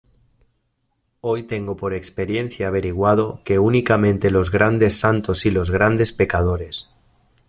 hoy tengo por experiencia averiguado que únicamente los grandes santos y los grandes pecadores